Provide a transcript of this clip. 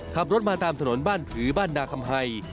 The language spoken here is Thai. ขับรถมาตามถนนบ้านพื้นบ้านนาคมไฮ